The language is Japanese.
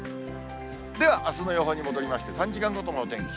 では、あすの予報に戻りまして、３時間ごとのお天気。